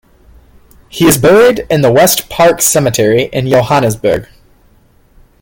He is buried in the West Park Cemetery in Johannesburg.